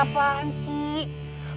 ini apaan sih